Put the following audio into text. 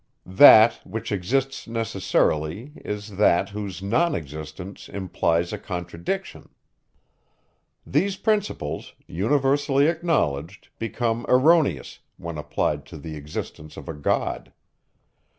That, which exists necessarily, is that, whose non existence implies a contradiction. These principles, universally acknowledged, become erroneous, when applied to the existence of a God.